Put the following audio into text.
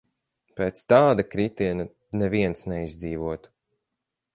Pēc tāda kritiena neviens neizdzīvotu.